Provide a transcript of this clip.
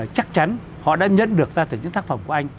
chắc chắn họ đã nhận được ra từ những tác phẩm của anh